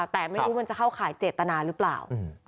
แต่ไม่รู้มันจะเข้าข่ายเจตนาหรือเปล่า